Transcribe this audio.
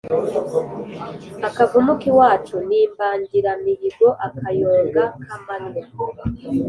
Akavumu k'iwacu ni imbangiramihigo-Akayonga k'amanywa.